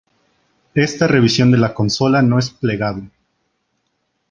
Esta revisión de la consola no es plegable.